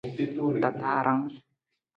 Tataarang.